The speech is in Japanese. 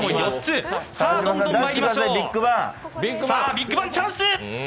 さあビッグバンチャンス。